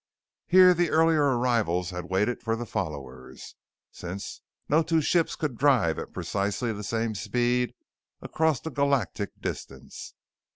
Here the earlier arrivals had waited for the followers, since no two ships could drive at precisely the same speed across a galactic distance.